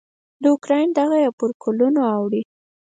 د اوکراین دغه یې پر کلونو اوړي.